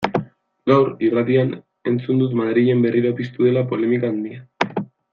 Gaur, irratian, entzun dut Madrilen berriro piztu dela polemika handia.